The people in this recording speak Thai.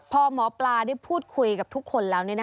พอหมอปลาได้พูดคุยกับทุกคนแล้ว